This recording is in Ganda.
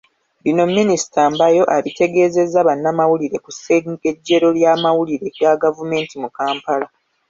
Bino Minisita Mbayo abitegeezezza bannamawulire ku ssengejjero ly'amawulire ga gavumenti mu Kampala.